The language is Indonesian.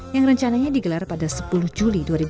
yang rencananya digelar pada hari ini